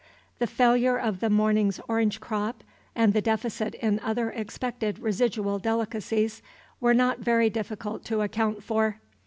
The failure of the morning's orange crop and the deficit in other expected residual delicacies were not very difficult to account for.